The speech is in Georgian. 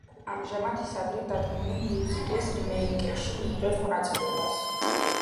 ამჟამად ის ადრე დადგმული მიუზიკლის რიმეიკში მიიღებს მონაწილეობას.